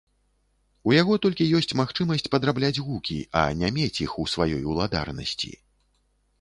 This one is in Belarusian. У яго толькі ёсць магчымасць падрабляць гукі, а не мець іх у сваёй уладарнасці.